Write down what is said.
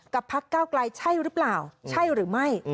พักเก้าไกลใช่หรือเปล่าใช่หรือไม่